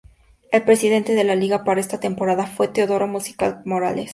El presidente de la Liga para esta temporada fue Teodoro Mariscal Morales.